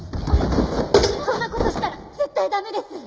こんな事したら絶対駄目です！